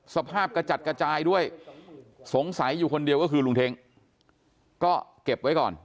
สภาพกระจัดกระจายด้วยสงสัยอยู่คนเดียวก็คือลุงเท้งก็เก็บไว้ก่อน